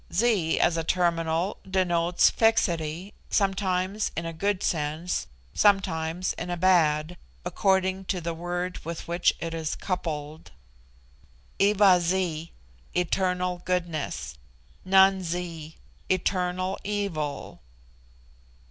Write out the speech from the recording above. Zi, as a terminal, denotes fixity, sometimes in a good sense, sometimes in a bad, according to the word with which it is coupled. Iva zi, eternal goodness; Nan zi, eternal evil.